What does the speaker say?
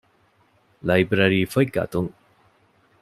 ލައިބްރަރީފޮތް ގަތުން